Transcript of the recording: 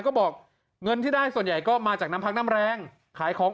ก็บอกเงินที่ได้ส่วนใหญ่ก็มาจากน้ำพักน้ำแรงขายของ